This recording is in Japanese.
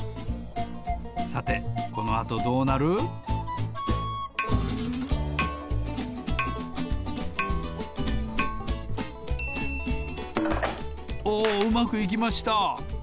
さておおうまくいきました！